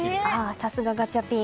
さすがガチャピン！